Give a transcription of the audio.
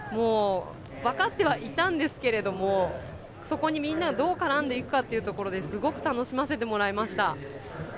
分かってはいたんですけれどもそこに、みんなどう絡んでいくかなというところですごく楽しませてもらいました。